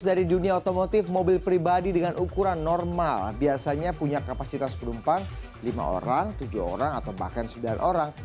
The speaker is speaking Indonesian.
dari dunia otomotif mobil pribadi dengan ukuran normal biasanya punya kapasitas penumpang lima orang tujuh orang atau bahkan sembilan orang